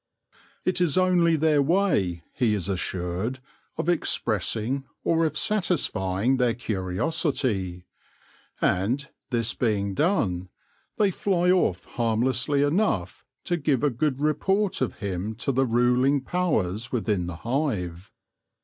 It is only their way, he is assured, of expressing or of satisfying their curiosity ; and, this being done, they fly off harmlessly enough to give a good report of him to the ruling powers within the hive.